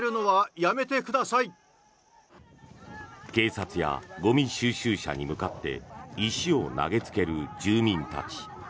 警察やゴミ収集車に向かって石を投げつける住民たち。